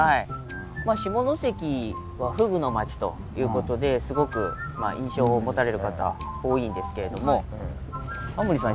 下関はフグの町という事ですごく印象を持たれる方多いんですけれどもタモリさん